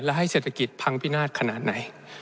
และให้เศรษฐกิจพังพินาศขนาดไหน